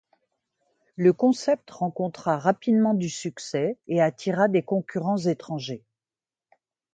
Le concept rencontra rapidement du succès et attira des concurrents étrangers.